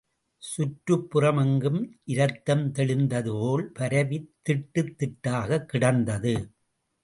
சுற்றுப் புறம் எங்கும் இரத்தம் தெளித்ததுபோல் பரவித் திட்டுத் திட்டாகக் கிடந்தது.